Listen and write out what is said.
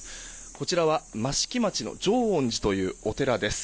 こちらは益城町の浄恩寺というお寺です。